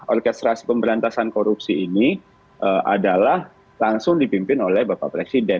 orkestrasi pemberantasan korupsi ini adalah langsung dipimpin oleh bapak presiden